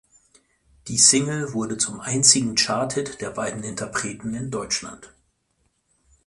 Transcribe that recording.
Die Single wurde zum einzigen Charthit der beiden Interpreten in Deutschland.